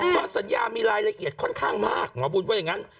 เพราะสัญญามีรายละเอียดค่อนข้างมากหมอบุญว่าอย่างนั้น